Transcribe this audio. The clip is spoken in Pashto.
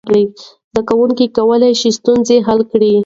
زده کوونکي کولی شول ستونزه حل کړي.